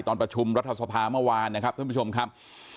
ตอนประชุมรัฐสภาเมื่อวานนะครับท่านผู้ชมครับ